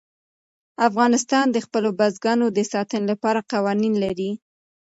افغانستان د خپلو بزګانو د ساتنې لپاره قوانین لري.